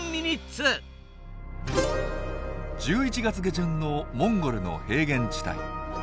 １１月下旬のモンゴルの平原地帯。